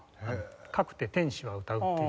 『かくて天使は歌う』っていう。